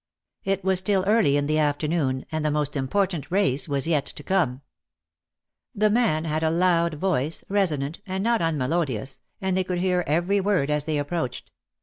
It was still early in the afternoon, and the most important race was yet to come. The man had a loud voice, resonant, and not unmelodious, and they could hear every word as they approached.